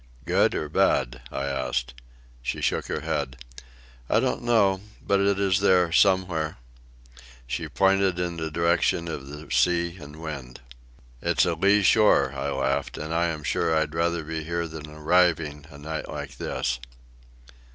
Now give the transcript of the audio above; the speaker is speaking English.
"Good or bad?" I asked. She shook her head. "I don't know, but it is there, somewhere." She pointed in the direction of the sea and wind. "It's a lee shore," I laughed, "and I am sure I'd rather be here than arriving, a night like this."